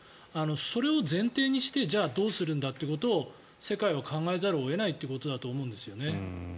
それを前提にしてじゃあ、どうするんだってことを世界は考えざるを得ないということですよね。